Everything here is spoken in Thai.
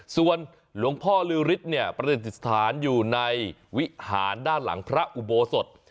ส่วนหลวงพ่อลือฤทธิ์เนี่ยประดิษฐานอยู่ในวิหารด้านหลังพระอุโบสถ